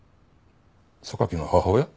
榊の母親？